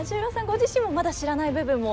ご自身もまだ知らない部分も？